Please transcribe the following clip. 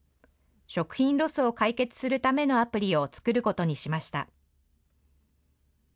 食品ロスを解決するためのアプリを作ることにしました。